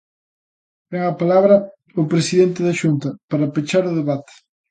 Ten a palabra o presidente da Xunta para pechar o debate.